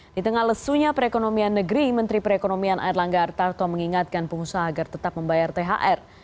di tengah lesunya perekonomian negeri menteri perekonomian air langgar tarto mengingatkan pengusaha agar tetap membayar thr